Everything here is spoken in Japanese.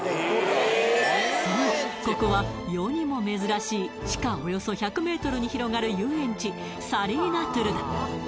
ここは世にも珍しい地下およそ１００ｍに広がる遊園地サリーナ・トゥルダ